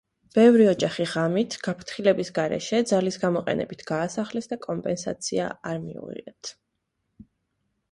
ბევრი ოჯახი ღამით, გაფრთხილების გარეშე, ძალის გამოყენებით გაასახლეს და კომპენსაცია არ მიუღიათ.